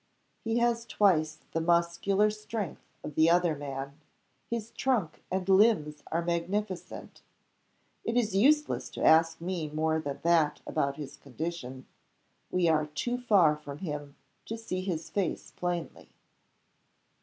"He has twice the muscular strength of the other man. His trunk and limbs are magnificent. It is useless to ask me more than that about his condition. We are too far from him to see his face plainly."